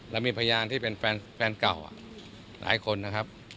แล้วมีพยานที่เป็นแฟนเก่าหลายคนนะครับ